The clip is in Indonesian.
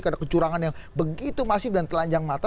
karena kecurangan yang begitu masif dan telanjang mata